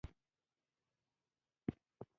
قطره یي اوبولګول اوبه سپموي.